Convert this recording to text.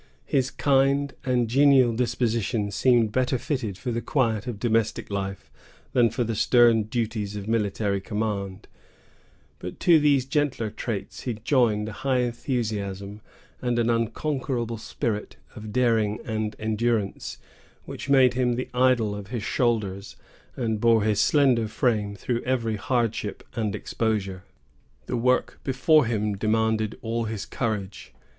His kind and genial disposition seemed better fitted for the quiet of domestic life than for the stern duties of military command; but to these gentler traits he joined a high enthusiasm, and an unconquerable spirit of daring and endurance, which made him the idol of his soldiers, and bore his slender frame through every hardship and exposure. The work before him demanded all his courage.